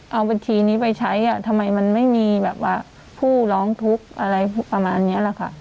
เอาบัญชีนี้ไปใช้ทำไมมันไม่มีแบบว่าผู้ร้องทุกข์อะไรประมาณนี้แหละค่ะ